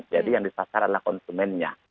jadi yang disasar adalah konsumennya